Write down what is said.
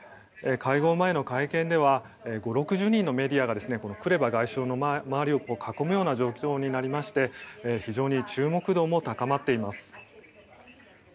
会合前の会見では５０６０人のメディアがクレバ外相の周りを囲むような状況になりまして非常に注目度も高まっています。